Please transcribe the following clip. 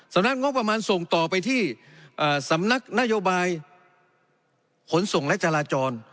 นักงบประมาณส่งต่อไปที่สำนักนโยบายขนส่งและจราจร